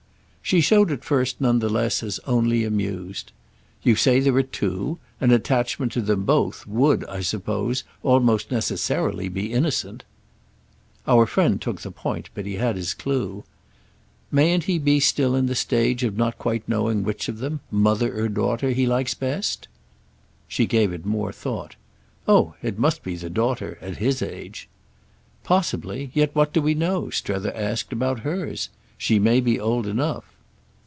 She showed at first none the less as only amused. "You say there are two? An attachment to them both then would, I suppose, almost necessarily be innocent." Our friend took the point, but he had his clue. "Mayn't he be still in the stage of not quite knowing which of them, mother or daughter, he likes best?" She gave it more thought. "Oh it must be the daughter—at his age." "Possibly. Yet what do we know," Strether asked, "about hers? She may be old enough."